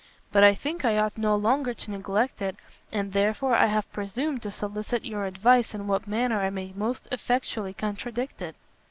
But I think I ought no longer to neglect it, and therefore I have presumed to solicit your advice in what manner I may most effectually contradict it."